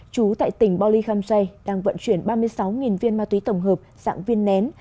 chú tại tỉnh bò lì khăm xoay đang vận chuyển ba mươi sáu viên ma túy tổng hợp sẵn viên nén